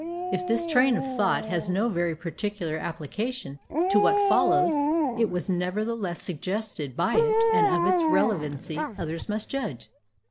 If this train of thought has no very particular application to what follows, it was nevertheless suggested by it, and of its relevancy others must judge.